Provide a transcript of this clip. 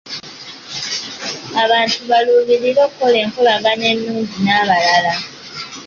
Abantu baluubirire okukola enkolagana ennungi n'abalala.